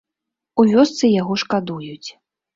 У вёсцы яго шкадуюць.